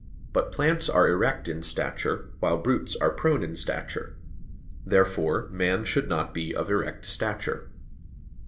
But plants are erect in stature, while brutes are prone in stature. Therefore man should not be of erect stature.